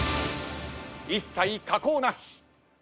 一切加工なし。